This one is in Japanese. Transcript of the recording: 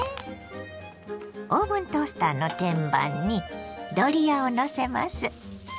オーブントースターの天板にドリアをのせます。